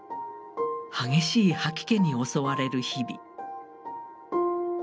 激しい吐き気に襲われる日々。